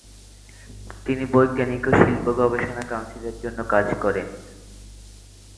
তিনি বৈজ্ঞানিক ও শিল্প গবেষণা কাউন্সিলের জন্য কাজ করেন।